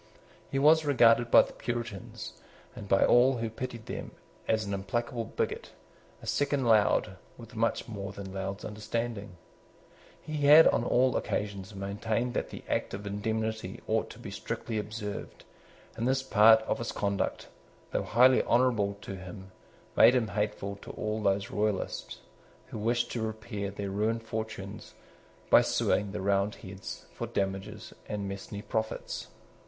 He was regarded by the Puritans, and by all who pitied them, as an implacable bigot, a second Laud, with much more than Laud's understanding. He had on all occasions maintained that the Act of indemnity ought to be strictly observed; and this part of his conduct, though highly honourable to him, made him hateful to all those Royalists who wished to repair their ruined fortunes by suing the Roundheads for damages and mesne profits.